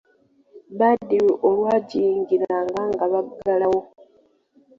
Badru olwagiyingiranga nga baggalawo.